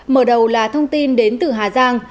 mở đầu là thông tin đến từ hà giang